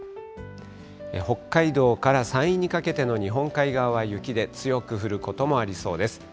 北海道から山陰にかけての日本海側は雪で、強く降ることもありそうです。